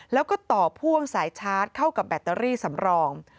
แล้วก็ต่อพ่วงสายชาร์จเข้ากับแบตเตอรี่สำรอง